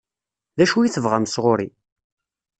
D acu i tebɣam sɣur-i?